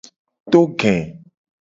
To ge.